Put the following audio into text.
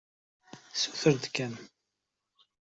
Suter-d kan.